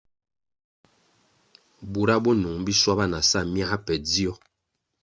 Bura bo nung biswaba na sa myā pe dzio.